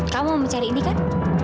kamu mencari ini kan